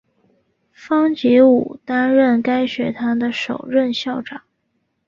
方解吾担任该学堂的首任校长。